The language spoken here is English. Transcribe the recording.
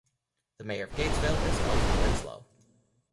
The mayor of Gatesville is Elton Winslow.